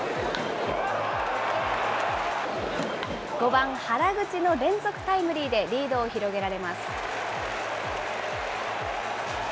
５番原口の連続タイムリーでリードを広げられます。